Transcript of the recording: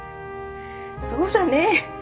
そうだね。